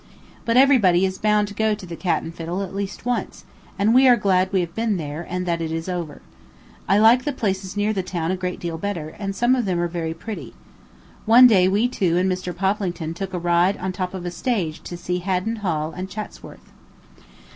But everybody is bound to go to the Cat and Fiddle at least once, and we are glad we have been there, and that it is over. I like the places near the town a great deal better, and some of them are very pretty. One day we two and Mr. Poplington took a ride on top of a stage to see Haddon Hall and Chatsworth.